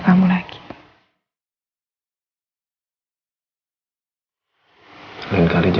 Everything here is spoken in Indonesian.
kalau sama ada ada